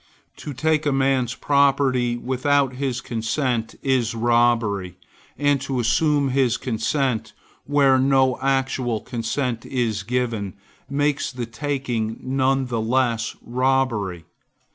To take a man's property without his consent is robbery; and to assume his consent, where no actual consent is given, makes the taking none the less robbery.